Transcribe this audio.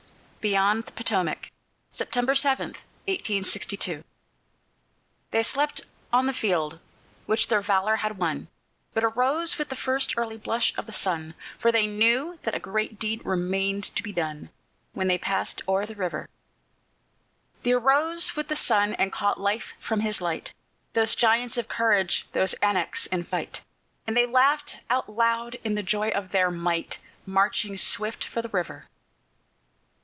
BEYOND THE POTOMAC [September 7, 1862] They slept on the field which their valor had won, But arose with the first early blush of the sun, For they knew that a great deed remained to be done, When they passed o'er the river. They arose with the sun, and caught life from his light, Those giants of courage, those Anaks in fight, And they laughed out aloud in the joy of their might, Marching swift for the river.